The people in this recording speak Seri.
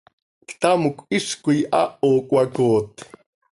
¡Ctamcö hizcoi haaho cöhacooot!